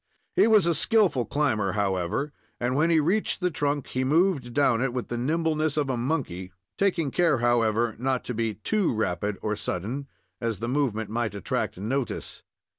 He was a skillful climber, however, and when he reached the trunk he moved down it, with the nimbleness of a monkey, taking care, however, not to be too rapid or sudden, as the movement might attract notice.